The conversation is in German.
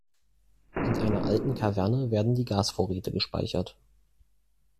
In einer alten Kaverne werden die Gasvorräte gespeichert.